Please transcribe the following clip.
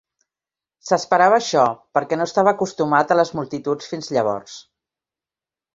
S"esperava això, perquè no estava acostumat a les multituds fins llavors.